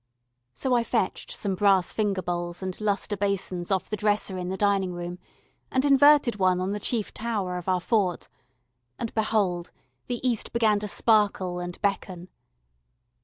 So I fetched some brass finger bowls and lustre basins off the dresser in the dining room and inverted one on the chief tower of our fort, and behold! the East began to sparkle and beckon.